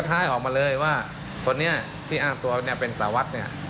ท้ายออกมาเลยว่าคนนี้ที่อ้างตัวเนี่ยเป็นสารวัตรเนี่ย